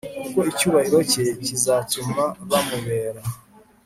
kuko icyubahiro cye kizatuma bamubera